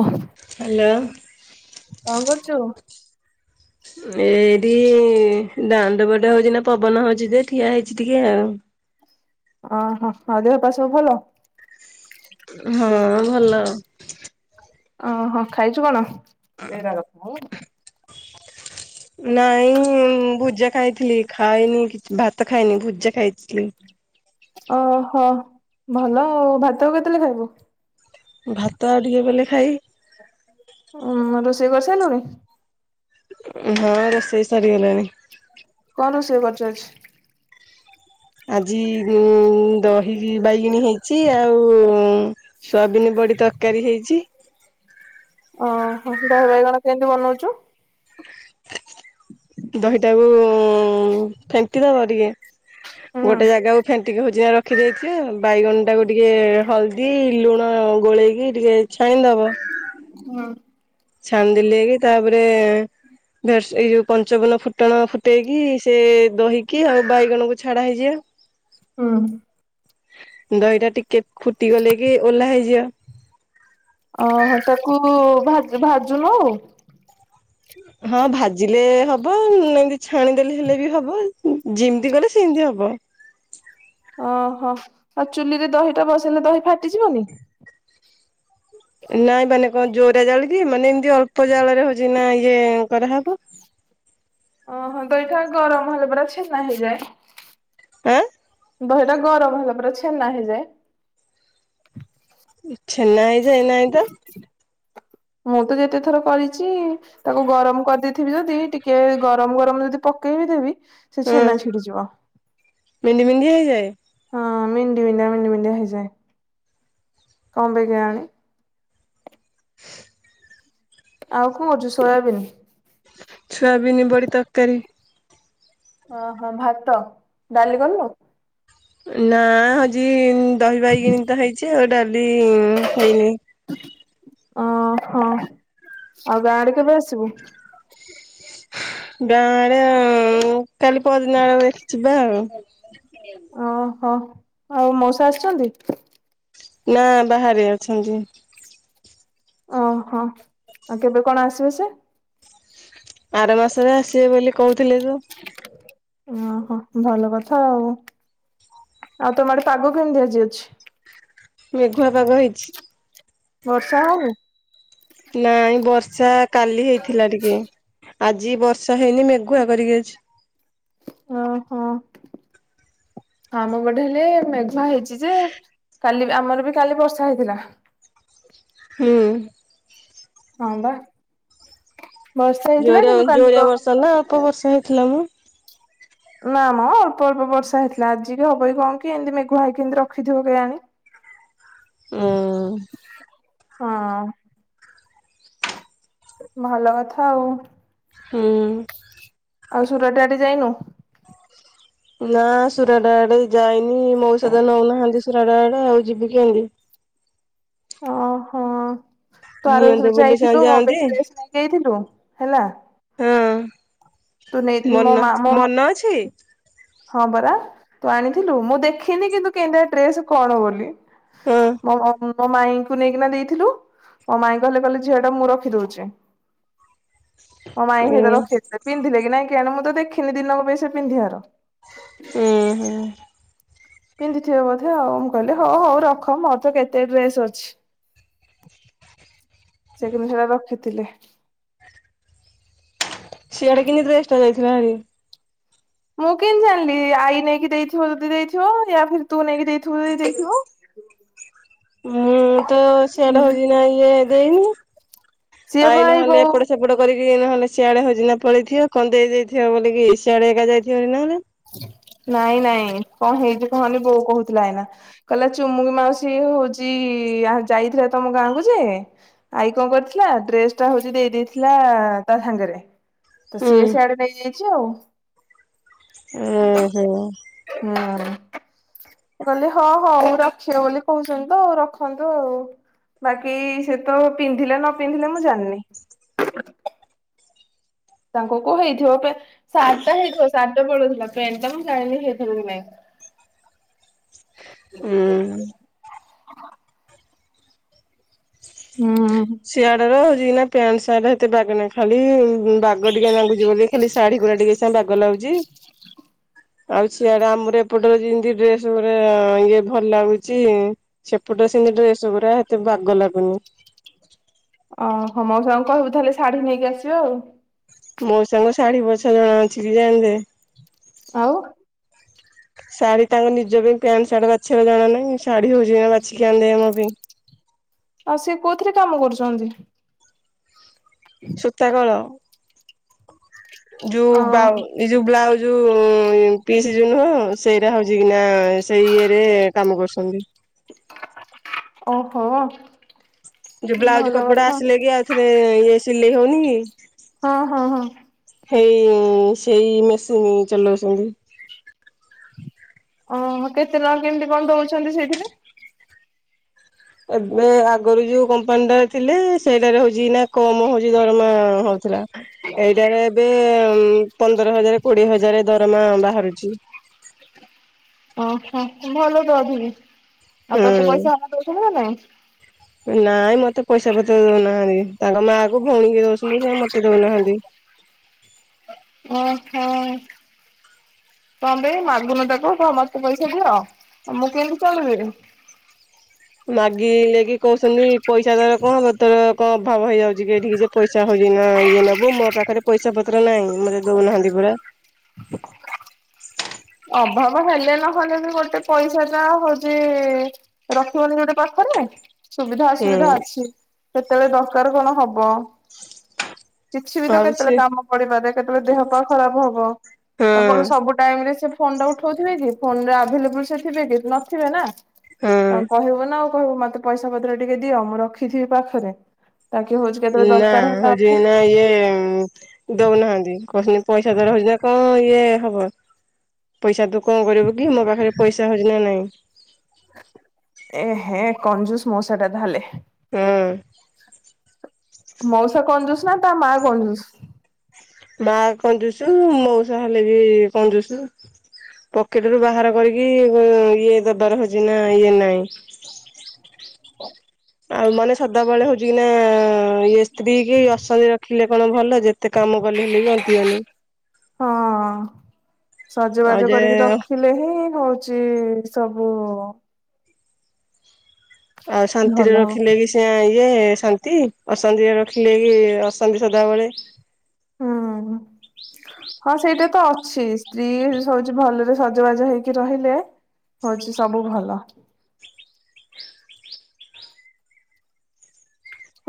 ଓହୋ ହ୍ୟାଲୋ କଣ କରୁଛୁ? ଏଇଠି ଦାଣ୍ଡ ବଟ ହଉଛି ନା ପବନ ହଉଛି ଯେ ଠିଆ ହେଇଛି ଟିକେ ଆଉ ଓହୋ ହଁ ଦେହ ପା ସବୁ ଭଲ ହଁ ଭଲ। ଓହୋ ଖାଇଛୁ କଣ? ନାଇଁ ଭୁଜା ଖାଇଥିଲି ଖାଇନି କିଛି ଭାତ ଖାଇନି ଭୁଜା ଖାଇଥିଲି। ଓହୋ ଭଲ ଆଉ ଭାତ କେତେଥିଲେ ଖାଇବୁ। ଭାତ ଆ ଟିକେ ଗଲେ ଖାଇ ଉଁ ରୋଷେଇ କରି ସାରିଲୁଣି? ହଁ ରୋଷେଇ ସାରିଗଲାଣି। କଣ ରୋଷେଇ କରିଛୁ ଆଜି ଆଜି ଦହି ବାଇଗଣୀ ହେଇଛି ଆଉ ଉଁ ଉଁ ସୋୟାବିନ ବଡି ତରକାରୀ ହେଇଛି। ଓହୋ ଦହି ବାଇଗଣ କେମତି ବନଉଛୁ? ଦହିଟାକୁ ଉଁ ଉଁ ଫେଣ୍ଟି ଦବ ଟିକେ ଗୋଟେ ହୁଁ। ଜାଗାକୁ ଫେଣ୍ଟିିକି ହଉଛି ଆଖି ଦେଇଛି ଆଉ ବାଇଗଣ ଟାକୁ ଟିକେ ହଲଦି ହଳଦୀ ଲୁଣ ଗୋଳେଇକି ଟିକେ ଛାଣି ଦବ। ହୁଁ ଛାଣିଦେଲେ ବି ତାପରେ ଏଇ ଯୋଉ ପଞ୍ଚବନ ଫୁଟଣ ଫୁଟେଇକି ସେ ଦହିକି ଆଉ ବାଇଗଣକୁ ଛାଡା ହେଇଯିବା। ହୁଁ ଦହିଟା ଟିକେ ଫୁଟିଗଲେ କି ଓହ୍ଲା ହେଇଯିବ ଓହୋ ତାକୁ ଭା ଭାଜୁନ ଆଉ ହଁ ଭାଜିଲେ ହବ ଏମତି ଛାଣିଦେଲେ ହେଲେ ବି ହବ ଯେମିତି କଲେ ସେମିତି ହବ ଓହୋ ଆଉ ଚୁଲିରେ ଦହିଟା ବସେଇଲେ ଦହି ଫାଟିଯିବନି। ନାଇଁ ମାନେ କଣ ଜୋରା ଜାଳ କି ମାନେ ଏମିତି ଅଳ୍ପ ଜାଳରେ ହଉଛି ନା ଇଏ କରାହବ। ଓହୋ ତ ଏଇଟା ଗରମ ହେଲେ ପା ଛେନା ହେଇଯାଏ। ଆଁ ଦହିଟା ଗରମ ହେଲା ପରା ଛେନା ହେଇଯାଏ। [inaudible] [inaudible] ଛେନା ହେଇଯାଏ ନାଇଁ ତ ମୁଁ ତ ଯେତେଥର କରିଛି ତାକୁ ଗରମ କରିଦେଇଥିବି ଯଦି ଟିକେ ଗରମ ଗରମ ଯଦି ପକେଇବି ଦେବି ସେ ହଁ ଛେନା ଛିଡି ଯିବ। ମେଣ୍ଡି ମେଣ୍ଡି ହେଇଯାଏ। ହଁ ମେଣ୍ଡି ବିଣ୍ଡି ମେଣ୍ଡି ମଣ୍ଡି ହେଇଯାଏ କଣ ପାଇଁ କେଆଣି? ଆଉ କଣ କରିଛୁ ସୋୟାବିନି? ଛୁଆ ବିିନ ବଡ଼ି ତରକାରୀ। ଓହୋ ଭାତ ଡାଲି କଲୁ। ନା ହଜି ଦହିବାଇଗଣି ତ ହେଇଛି। ବୋଲି ଉଁ ହେଇନି। ଓ ହୋ ଆଉ ଗାଁ ଆଡେ କେବେ ଆସିବୁ? ଗାଁ ଆଡେ ଆଉ। କାଲି ପହର ଦିନ ଆଡୁ ଦେଖି ଯିବି। ଯିବା ଆଉ। [inaudible] ହଁ ଆଉ ମଉସା ଆସିଛନ୍ତି? ନା ବାହାରେ ଅଛନ୍ତି। ଓହୋ ଆଉ କେବେ କଣ ଆସିବେ ସେ? ଆର ମାସରେ ଆସିବେ ବୋଲି କହୁଥିଲେ ତ। ଓହୋ ଭଲ କଥା ଆଉ ଆଉ ତମ ଆଡେ ପାଗ କେମିତି ଆଜି ଅଛି। ମେଘୁଆ ପାଗ ବର୍ଷା ହଉନି? ହେଇଛି। ନାଇଁ ବର୍ଷା କାଲି ହେଇଥିଲା ଟିକେ। ଆଜି ବର୍ଷା ହେଇନି ମେଘୁଆ କରିକି ଅଛି। ଓହୋ ଆମ ପଟେ ହେଲେ ମେଘୁଆ ହେଇଛି ଯେ କାଲି ବି ଆମର ବି କାଲି ବର୍ଷା ହେଇଥିଲା। ହୁଁ। ହଁ ବା। [inaudible] ହେଇଥିଲା ଜୋରିଆ କିନ୍ତୁ କାଲି ଜୋରିଆ ଗରମ ବର୍ଷା ନା ଲାଗୁଥିଲା। ଅଳ୍ପ ବର୍ଷା ହେଇ ହାଲୋ। ନା ମ ଅଳ୍ପ ଅଳ୍ପ ବର୍ଷା ହେଇଥିଲା ଆଜି କି ହବ ଏ କଣ କି ଏମିତି ମେଘୁଆ ହେଇ କି ଏମିତି ରଖିଥିବ କେଜାଣି। ହୁଁ। ହଁ। ଭଲ କଥା ଆଉ। ହୁଁ। [inaudible] ଆଉ ସୁରଟ ଆଡେ ଯାଇନୁ? ନାଁ ସୁୁରଡ଼ ଆଡେ ଯାଇ ନି ମଉସା ନେଉନାହାନ୍ତି ସ ସୁରାଡ ଆଡେ ଆଉ ଯିବୁ କି କାଲି। ଓ ହୋ। ତୁ ଆର ବର୍ଷ ନିଅଣ୍ଟ ଜଉ ବୋଲି ସେମାନେ ଯାଇଥିଲୁ ମୋ ପାଇଁ ଯାଆନ୍ତି ଡ୍ରେସ କିଣିକି ନେଇଥିଲୁ। ହେଲା। ହଁ। ତୁ ନେ ମୋ ମନ ମା ମୋ ମନ ଅଛି ହଁ ପରା। ତୁ ଆଣିଥିଲୁ ମୁଁ ଦେଖିନି କିନ୍ତୁ କିନ୍ତିଆ ଡ୍ରେସ କଣ ବୋଲି। ହଁ ମୋ ବ ଉଁ ମୋ ମାଇଁଙ୍କୁ ନେଇକିନା ଦେଇଥିଲୁ ମୋ ମାଇଁ କହିଲେ କହିଲେ ଝିଅ ଟା ମୁଁ ରଖିଦଉଛି। ମୋ ମାଇଁ ଉଁ ହେଇଟା ରଖିଦେଇଥିଲେ ନେଇ କିନା କିଆଣି ମୁଁ ତ ଦେଖିନି ଦିନକ ପାଇଁ ସେ ପିନ୍ଧିବାର। ଉଁ ହୁଁ ପିନ୍ଧିଥିବେ ବୋଧେ ଆଉ ମୁଁ କହିଲି ହଉ ହଉ ରଖ ମୋର ତ କେତେ ଡ୍ରେସ ଅଛି। ସେ କିନ୍ତୁ ସେଟା ରଖିଥିଲେ। ସିଆଡେ କେମିତିଷ୍ଟା ଯାଇଥିଲା ଭରି ମୁଁ କେମତି ଜାଣିଲି ଆଈ ନେଇକି ଦେଇଥିବ ଯଦି ଦେଇଥିବଉ ୟା ଫିର ତୁ ନେଇକି ଦେଇଥିବୁ ଯଦି ଦେଇଥିବୁ। ମୁଁ ତ ସିଆଡା ହଉଛି ନାଇ ଏ ଏଇନି। ସିଏ ପା ଆଇ ଏଇ ନହେଲେ ବୋଉ ଏପଟ ସେପଟ କରିକି ନହଲେ ସିଆଡେ ହଜିନା ପଳେଇଥିବ କନ୍ଦଇଯାଇଥିବ ବୋଲିକି ସିଆଡେ ଏକା ଯାଇଥିବ ନହେଲେ। ନାଇଁ ନାଇଁ କଣ ହେଇଛି କହନି ବୋଉ କହୁଥିଲା ଏଇନା କହିଲା ଚୁମୁକି ମାଉସୀ ହଉଛି ଯାଇଥିଲା ତମ ଗାଁ କୁ ଯେ ଆଈ କଣ କରିଥିଲା ଡ୍ରେସ ଟା ହଉଛି ଦେଇ ଦେଇେଦେଇଥିଲା ତା ସାଙ୍ଗରେ ତ ସିଏ ସିଆଡେ ନେଇ ଯାଇ ପଜ ଓ ହୁଁ। ହଁ ମୁ କହିଲି ହଁ ହଉ ରଖିବ ବୋଲି କହୁଛନ୍ତି ତ ଆଉ ରଖନ୍ତୁ ଆଉ ବାକି ସେ ତ ପିନ୍ଧିଲେ ନ ପିନ୍ଧିଲେ ମୁଁ ଜାଣିନି। ତାଙ୍କ କୋଉ ହେଇଥିବ ସାତଟା ହେଇଥିବ ସାତଟା ପଳଉଥିଲା ପ୍ୟାଣ୍ଟ ଟା ମୁଁ ଜାଣିନି ହେଇଥିବ କି ନାଇଁ। ହୁଁ। ହୁଁ। ସିଆଡର ହଉଛି ନା ପ୍ୟାଣ୍ଟ ସାର୍ଟ ହେତେ ବାଗ ନାହିଁ ଖାଲି ବାଗ ଟିକି ନାଗୁଛି ବୋଲି। ଖାଲି ଶାଢୀ ଗୁଡା ଟିକେ ସାଙ୍ଗ ବାଗ ଲାଗୁଛି ଆଉ ସିଆଡେ ଆମର ଏପଟରେ ଯେମତି ଡ୍ରେସ ଗୁରା ଇଏ ଭଲ ଲାଗୁଛି ସେପଟ ସେମତି ଡ୍ରେସ ଗୁରା ଏତେ ବାଗ ଲାଗୁନି। ଓହୋ ମଉସା କହିବୁ ତାହେଲେ ଶାଢୀ ନେଇକି ଆସିବ ଆଉ। ମଉସା ଙ୍କୁ ଶାଢ଼ୀ ବଛା ଜଣା ଅଛି କି ଜାଣି ଦେବେ। ଆଉ ଶାଢୀ ତାଙ୍କ ନିଜ ପାଇଁ ପ୍ୟାଣ୍ଟ ଶାଢୀ ବାଛବା ଜଣ ନାହିଁ ଶାଢୀ ହଉଛି ବାଛିକି ଆଉ ଦେ ଆମ ପାଇଁ। ଆଉ ସିଏ କୋଉଥିରେ କାମ କରୁଛନ୍ତି? ସୂତା କଳ। ଅ ଯୋଉଏ ଯୋଉ ବ୍ଲାଉଜ ଯୋଉ ପି ନୁହଁ ସେଇଟା ହଉଛି କିନା ସେଇ ଇଏରେ କାମ କରୁଛନ୍ତି। ଓହୋ ଯୋଉ ବ୍ଲାଉଜ ଭଲ କପଡା କଥା। ଆସିଲେ କି ଆଉ ରେ ଇଏ ସିଲେଇ ହଉନି କି ହଁ ହଁ ହଁ ସେଇ ସେଇ ମେସିନ ଚଲଉଛନ୍ତି। ଓହୋ କେତେ ଟଙ୍କା କେମତି କଣ ଦଉଛନ୍ତି ସେଇଥିରେ ଏବେ ଆଗରୁ ଯୋଉ କମ୍ପାନୀଟା ଥିଲେ ସେଇଟାରେ ହଉଛି ନା କମ ହଉଛି ଦରମା ହଉଥିଲା ଏଇଟାରେ ଏବେ ପନ୍ଦର ହଜାର କୋଡିଏ ହଜାର ଦରମା ବାହାରୁଛି। ଓହୋ ଭଲ ତ ଅଧିକି। ଆଉ ତୋତେ ପଇସା ହୁଁ ଦଉଛନ୍ତି ନା ନାଇଁ ନାଇଁ ମତେ ପଇସା ପତ୍ର ଦଉନାହାନ୍ତି ତାଙ୍କ ମା କ ଭଉଣୀ ଦଉଛନ୍ତିଛନ୍ତି ସେ ମତେ ଦଉନାହାନ୍ତି। ଓହୋ କଣ ପାଇଁ ମାଗୁନ ତାଙ୍କୁ ତ ମତେ ପଇସା ଦିଅ ଆଉ ମୁଁ କେମିତି ଚଳିବି। ମାଗିଲେକି କହୁଛନ୍ତି ପଇସା ତାର କଣ ପତର କଣ ଅଭାବ ହେଇଯାଉଛି କିଠିକି ଯେ ପଇସା ହଉଛି ନା ଇଏ ନବୁ ମୋ ପାଖରେ ପଇସା ପତ୍ର ନାହିଁ ମତେ ଦଉନାହାନ୍ତି। ପୁରା ଅଭାବ ହେଲେ ନହେଲେ ବି ଗୋଟେ ପଇସା ଟା ହଉଛି ରଖିବନି ଗୋଟେ ପାଖରେ। ସୁବିଧା ଅସୁବିଧା ହୁଁ ଅଛି। କେତେବେଳେ ଦରକାର କଣ ହବ? କିଛି ବି ତ କେତେବେଳେ ଭାବୁଛି କାମ ପଡିପାରେ କେତେବେଳେ ଦେହ ପା ଖରାପ ହବ ହଁ ଆ କଣ ସବୁ ଟାଇମ ରେ ସେ ଫୋନ ଟା ଉଠାଉଥିବେ କି ଫୋନ ରେ ଆଭେଲେବୁଲ ସେ ଥୀବେ କି ନଥିବେ ନା। ହଁ। ତାଙ୍କୁ କହିବ ନା ଆଉ କହିବୁ ମତେ ପଇସା ପତ୍ର ଟିକେ ଦିଅ ମୁଁ ରଖିଥିବି ପାଖରେ ତାକି ହଉଛି କେତେବେଳେ ନା ଦରକାର ହେଲା ହଜି ବେଳକୁ ନା ଇଏ ଦଉନାହାନ୍ତି କହିଲେ ପଇସା ଦର ହଉଛି ନା କ ଇଏ ହବ ପଇସା ତୁ କଣ କରିବୁ କି ମୋ ପାଖରେ ପଇସା ହଉଛି ନା ନାଇଁ ଏ ହେ କନଜୁସ ମସା ଟା ତାହଲେ। ହଁ [inaudible] ମଉସା କଯୁସ ନା ତା ମା କନଯୁସ? ମା କଞ୍ଜୁସ ମଉସା ହେଲେ ବି କଞ୍ଜୁସ୍ ପକେଟ ରୁ ବାହାର କରିକି ଇଏ ଦବାର ହଉଛି ନା ଇଏ ନାଇଁ। ହଁ ଆଉ ମନେ ସଦାବେଳେ ହଉଛି କି ନା ଇଏ ସ୍ତ୍ରୀ କି ଅସାନ୍ତି ରଖିଲେ କଣ ଭଲ କି? ଯେତେ କାମ କଲେ ହେଲେ ବି ଅଣ୍ଟିବନି। ହଁ। ଆଉ ସଜବାଜ ଯେ କରିକି ରଖିଲେ ହିଁ ହଉ ଚି ସବୁ ଆଉ ଭଲ ଶାନ୍ତିରେ ହବ ରଖିଲେ କି ସେଇଁ ଏ ଶାନ୍ତି ଅଶାନ୍ତି ରଖିଲେ କି ଅଶାନ୍ତି ସଦାବେଳେ। ହୁଁ ହଁ ସେଇଟା ତ ଅଛି ସ୍ତ୍ରୀ ସଉଛି ଭଲରେ ସଜବାଜ ହେଇକି ରହିଲେ ହଉଛି ସବୁ ଭଲ।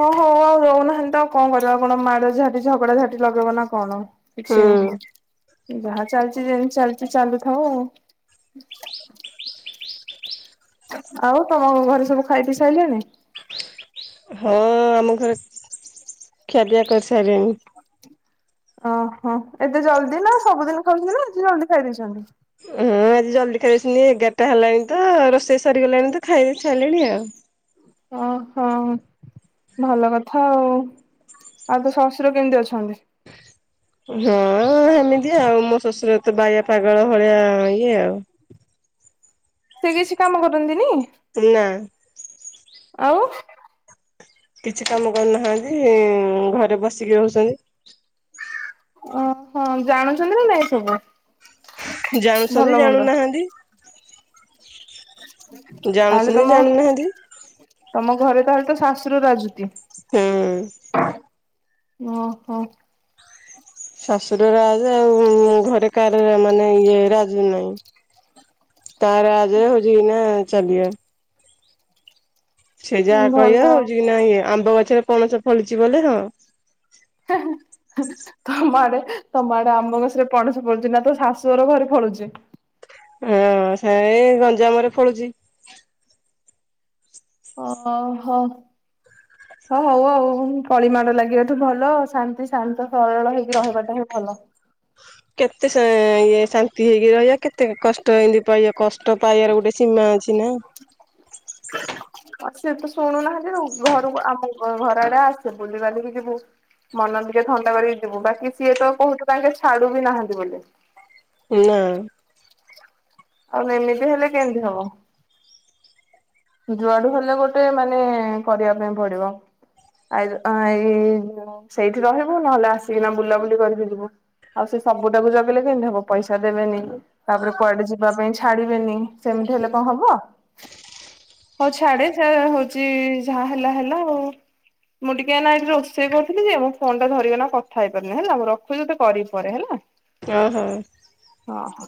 ହଁ ହଉ ଆଉ ରହୁନାହାଁନ୍ତି ତ ଆଉ କଣ କରିବା ଆଉ କଣ ମାଡ଼ ଝାଟି ଝଗଡା ଝାଟି ଲଗେଇବ ନା କଣ? କିଛି ହୁଁ ନୁହଁ। ଯାହା ଚାଲିଛି ଯେମିତି ଚାଲିଛି ଚାଲୁଥାଉ ଆଉ। ଆଉ ତମ ଘରେ ସବୁ ଖାଇ ପି ସାଇଲେଣି? ହଁ ଆମ ଘରେ ଖଆପିଆ କରିସ୍ ତାରିଣୀ। ହଁ ଏତେ ଜଲଦି ନା ସବୁଦିନ ଖାଉଛନ୍ତି ନା ଜଲଦି ଖାଇଦେଇଛନ୍ତି। ହଁ ଆଜି ଜଲ୍ଦି ଖାଇଦେଇଛନ୍ତି। ଏଗାରଟା ହେଲାଣି ତ ରୋଷେଇ ସରିିଗଲାଣି ତ ଖାଇସାଇଲେଣି ଆଉ। ଓହୋ ଭଲ କଥା ଆଉ ଆଉ ତୋ ଶଶୁର କେମିତି ଅଛନ୍ତି? ହଁ ହେମିତି ଆଉ ମୋ ଶ୍ୱଶୁର ତ ବାୟ ପାଗଳ ଭଳିଆ ଇଏ ଆଉ।। ସେ କିଛି କାମ କରନ୍ତିନି? ନା ଆଉ, କିଛି କାମ କରୁନାହାନ୍ତି ଇଁ ଘରେ ବସ୍ ସିକି ରହୁଛନ୍ତି। ଓ ହଁ ଜାଣୁଛନ୍ତି ନା ନାଇଁ ସବୁ ଜାଣୁଛନ୍ତି ଭଲ ଜାଣୁନାହାଁନ୍ତି। ହଁ [inaudible] ଜାଣୁସନ୍ତି ଜାଣୁନାହାଁନ୍ତି। ତମ ଘରେ ତାହେଲେ ତ ଶାଶୁର ରାଜୁତି। ହୁଁ। ଓ ହୋ। ଶାଶୁର ରାଜ ଆଉ ଘରେ କାହାର ମାନେ ଇଏ ରାଜ ନାହିଁ ତା ରାଜ ହଉଛି ଏନା ଚାଲିଆ ସେ ଯାହା କହିବା ଭଲ ହଉଛି କି ନା ଏଇ ଆମ୍ ଆମ୍ବ ଗଛରେ ପଣସ ଫଳିଛି ବଲେ ହଁ। ତମ ଆଡେ ତମ ଆଡେ ଆମ୍ବ ଗଛରେ ପଣସ ଫଳୁଛି ନା ତୋ ଶାଶୁଅର ଘରେ ଫଳୁଛି। ହଁ ସେଏ ଗଞ୍ଜାମରେ ଫଳୁଛି। ଓହୋ ହ ହଉ ଆଉ କଳିମାଡ଼ ଲାଗିବାଠୁ ଭଲ ଶାନ୍ତି ଶାନ୍ତ ସରଳ ହେଇକି ରହିବାଟା ହିଁ ଭଲ। କେତେ ସେ ଇଏ ଶାନ୍ତି ହେଇକି ରହିବା? କେତେ କଷ୍ଟ ଏମତି ପାଇବା କଷ୍ଟ ପାଇବାର ଗୋଟେ ସୀମା ଅଛି ନା? ସିଏ ତ ଶୁଣୁନାହାନ୍ତି ଘରକୁ ଆମ ଘର ଆଡେ ଆସେ ବୁଲିିବାଲିିକି ଯିବୁ ମନ ଟିକେ ଥଣ୍ଡା କରିକି ଯିବୁ ବାକି ସିଏ ତ କହୁଚୁ ତାଙ୍କେ ଛାଡୁ ବିି ନାହାଁନ୍ତି ବୋଲି। ନା ଆଉ ଏମିତି ହେଲେ କେମିତି ହବ। ଯୁଆଡୁ ହେଲେ ଗୋଟେ ମାନେ କରିବା ପାଇଁ ପଡିବ ଆ ଏଇ ସେଇଠି ରହିବୁ ନହେଲେ ଆସିକିନା ବୁଲାବୁଲି କରିକି ଯିବୁ, ଆଉ ସେ ସବୁଟାକୁ ଜଗିଲେ କେମିତି ହବ ପଇସା ଦେବେନି, ତାପରେ କୁଆଡେ ଯିବା ପାଇଁ ଛାଡିବେନି, ସେମିତି ହେଲେ କଣ ହବ? ହଉ ଛାଡେ ଯ ହଉଛି ଯାହାହଲା ହେଲା ଆଉ ମୁଁ ଟିକେ ଏଠି ରୋଷେଇ କରୁଥିଲି ଯେ ମୁଁ ଫୋନ ଟା ଧରିକନା କଥା ହେଇପାରିନି ହେଲା ମୁଁ ରଖୁଛିତେ କରିବି ପରେ ହେଲା। ଓହୋ ହଁ ହଁ